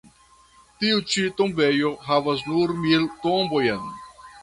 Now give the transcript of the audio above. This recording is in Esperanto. Tiu ĉi tombejo havas nur mil tombojn.